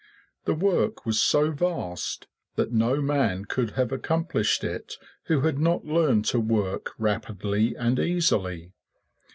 The work was so vast that no man could have accomplished it who had not learned to work rapidly and easily.